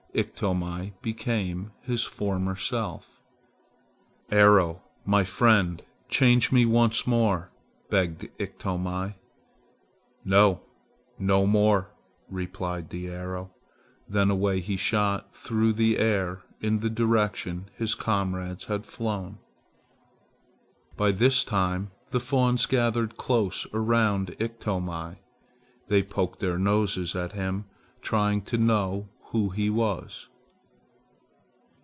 Iktomi became his former self. "Arrow, my friend, change me once more!" begged Iktomi. "No, no more," replied the arrow. Then away he shot through the air in the direction his comrades had flown. By this time the fawns gathered close around Iktomi. They poked their noses at him trying to know who he was.